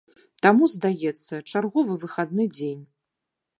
Таму, здаецца, чарговы выхадны дзень.